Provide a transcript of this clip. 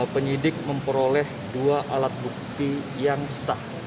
penyidik memperoleh dua alat bukti yang sah